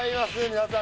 皆さん